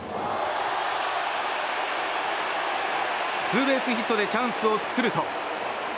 ツーベースヒットでチャンスを作ると。